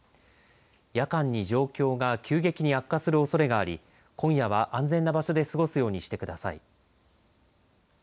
夜間に状況が急激に悪化するおそれがあり今夜は安全な場所で過ごすようにしてください。